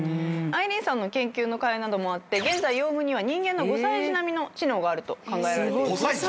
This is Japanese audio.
アイリーンさんの研究のかいなどもあって現在ヨウムには人間の５歳児並みの知能があると考えられている。